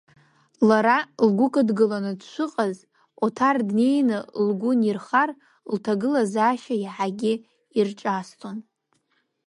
Лара, лгәы кыдгыланы дшыҟаз, Оҭар днеины лгәы нирхар, лҭагылазаашьа иаҳагьы ирҿаасҭон.